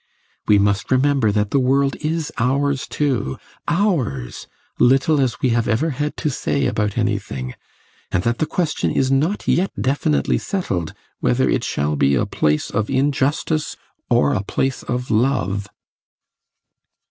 We must remember that the world is ours too, ours little as we have ever had to say about anything! and that the question is not yet definitely settled whether it shall be a place of injustice or a place of love!"